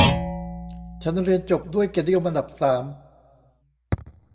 ฉันเรียนจบด้วยเกียรตินิยมอันดับสาม